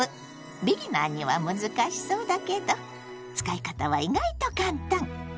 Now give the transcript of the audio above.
ビギナーには難しそうだけど使い方は意外と簡単！